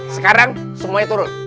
sekarang semuanya turun